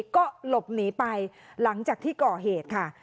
ก็หลบหนีไปหลังจากที่ก่อเหตุค่ะ